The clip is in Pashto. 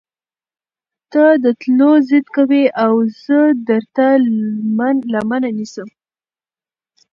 تۀ د تلو ضد کوې اؤ زۀ درته لمنه نيسم